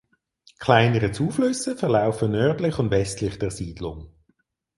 Kleinere Zuflüsse verlaufen nördlich und westlich der Siedlung.